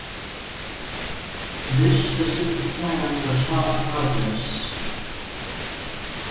This specific plan was not progressed.